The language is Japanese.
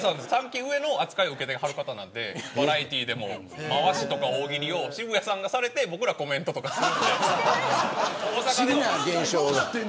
３期上の扱い受けてはる方なのでバラエティーでも大喜利を渋谷さんがされて僕らコメントする。